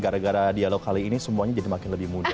gara gara dialog kali ini semuanya jadi makin lebih mudah